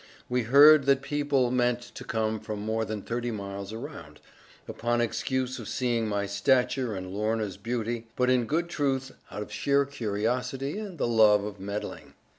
We heard that people meant to come from more than thirty miles around, upon excuse of seeing my stature and Lorna's beauty, but in good truth out of sheer curiosity and the love of meddling.